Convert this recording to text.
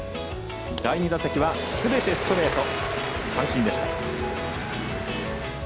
第２打席はすべてストレート三振でした。